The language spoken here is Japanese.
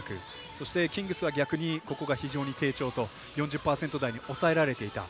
そしてキングスは逆にここが非常に低調と４０％台に抑えられていた。